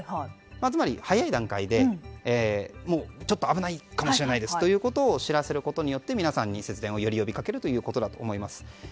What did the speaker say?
つまり早い段階でちょっと危ないかもしれないと知らせることによって皆さんに節電をより呼びかけるということです。